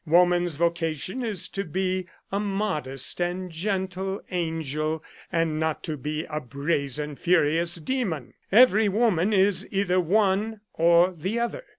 Woman's vocation is to be a modest and gentle angel, and not to be a brazen, furious demon. Every woman is either one or the other.